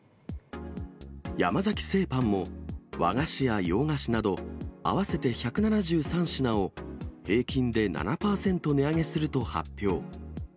山崎製パンも、和菓子や洋菓子など、合わせて１７３品を平均で７％値上げすると発表。